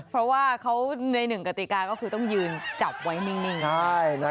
เพราะว่าเขาในหนึ่งกติกาก็คือต้องยืนจับไว้นิ่ง